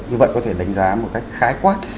như vậy có thể đánh giá một cách khái quát